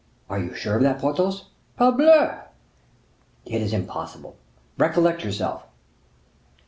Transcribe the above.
"Are you sure of that, Porthos?" "Parbleu!" "It is impossible. Recollect yourself."